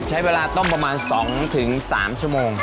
ใช้เวลาต้มประมาณ๒๓ชั่วโมง